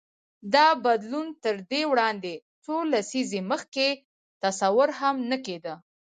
دا بدلون تر دې وړاندې څو لسیزې مخکې تصور هم نه کېده.